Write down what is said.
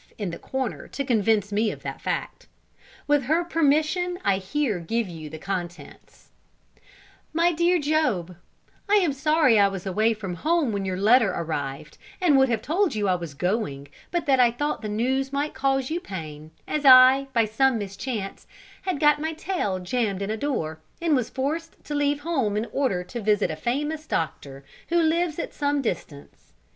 in the corner to convince me of the fact. With her permission, I here give you the contents: "MY DEAR JOB, "I am sorry I was away from home when your letter arrived, and would have told you I was going, but that I thought the news might cause you pain, as I, by some mischance, had got my tail jammed in a door, and was forced to leave home in order to visit a famous doctor, who lives at some distance.